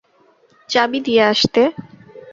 চাবি দিয়ে আসতে।